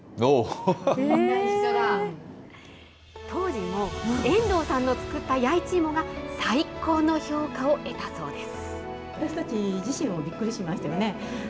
当時も遠藤さんの作った弥一芋が、最高の評価を得たそうです。